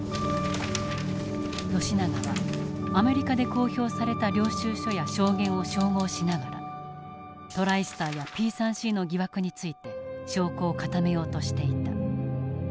永はアメリカで公表された領収書や証言を照合しながらトライスターやＰ３Ｃの疑惑について証拠を固めようとしていた。